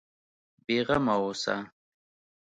بېغمه اوسه.